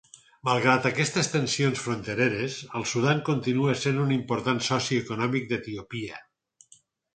Malgrat aquestes tensions frontereres, el Sudan continua sent un important soci econòmic d'Etiòpia.